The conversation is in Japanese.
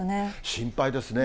心配ですね。